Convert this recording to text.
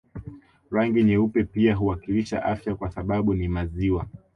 Rangi nyeupe pia huwakilisha afya kwa sababu ni maziwa